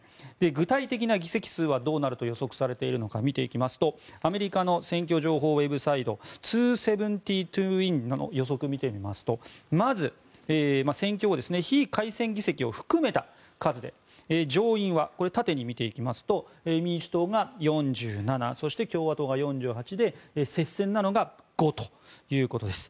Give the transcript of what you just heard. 具体的な議席数はどうなるかと予測されているのか見ていきますとアメリカの選挙情報ウェブサイト２７０ｔｏＷｉｎの予測を見てみますと非改選議席を含めた数で上院は縦に見ていきますと民主党が４７そして共和党が４８で接戦なのが５ということです。